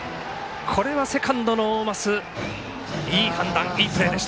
これはセカンドの大舛いい判断、いいプレーでした。